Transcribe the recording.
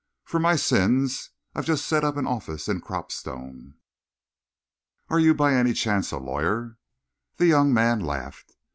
"For my sins. I've just set up an office in Cropstone." "Are you, by any chance, a lawyer?" The young man laughed.